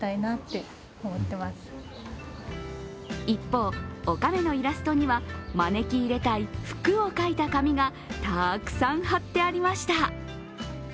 一方、おかめのイラストには招き入れたい福を書いた紙がたくさん貼ってありました。